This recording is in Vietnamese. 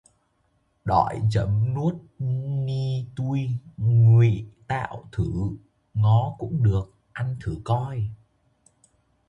Đọi giấm nuốt ni tui ngụy tạo thử, ngó cũng được, ăn thử coi